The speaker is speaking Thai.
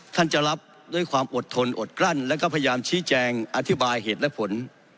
จะรับด้วยความอดทนอดกลั้นแล้วก็พยายามชี้แจงอธิบายเหตุและผล